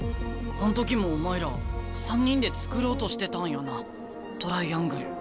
あん時もお前ら３人で作ろうとしてたんやなトライアングル。